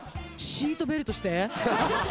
シートベルトして。